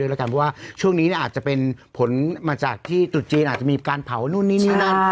แล้วกันเพราะว่าช่วงนี้อาจจะเป็นผลมาจากที่ตรุษจีนอาจจะมีการเผานู่นนี่นี่นั่น